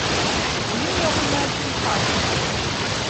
Мне яго на адзін палец!